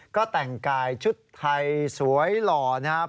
ก็แต่งกายชุดไทยสวยหล่อนะครับ